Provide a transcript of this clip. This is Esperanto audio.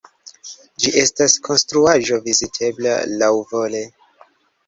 Ĝi estas konstruaĵo vizitebla laŭvole.